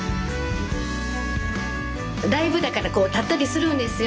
ライブだからこう立ったりするんですよ。